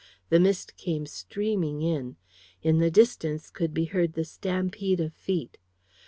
The mist came streaming in. In the distance could be heard the stampede of feet.